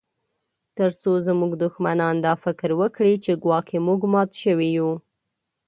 ترڅو زموږ دښمنان دا فکر وکړي چې ګواکي موږ مات شوي یو